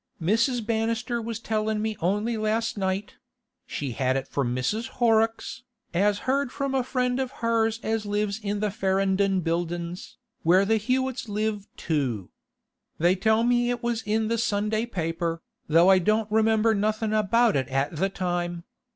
Mrs. Bannister was tellin' me only last night; she had it from Mrs. Horrocks, as heard from a friend of hers as lives in the Farrin'don Buildin's, where the Hewetts lives too. They tell me it was in the Sunday paper, though I don't remember nothing about it at the time.